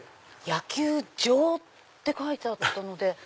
野球場って書いてあったので。